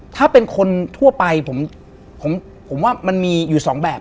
ถ้าเป็นคนทั่วไปผมว่ามันมีอยู่สองแบบ